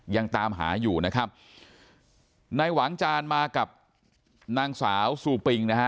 ยังตามหาอยู่นะครับนายหวังจานมากับนางสาวซูปิงนะฮะ